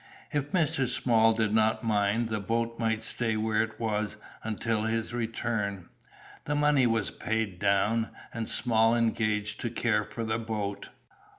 If Mr. Small did not mind, the boat might stay where it was until his return; the money was paid down, and Small engaged to care for the boat.